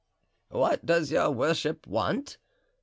"What does your worship want?"